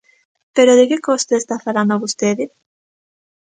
¿Pero de que costa está falando vostede?